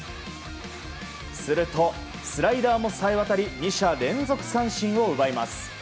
すると、スライダーもさえわたり２者連続三振を奪います。